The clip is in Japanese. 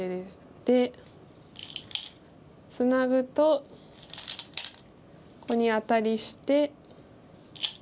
でツナぐとここにアタリして。